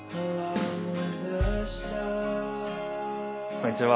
こんにちは。